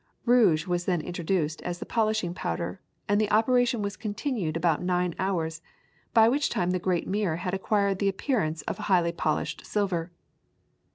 Rouge was then introduced as the polishing powder, and the operation was continued about nine hours, by which time the great mirror had acquired the appearance of highly polished silver.